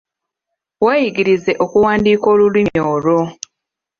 Weeyigirize okuwandiika olulimi olwo.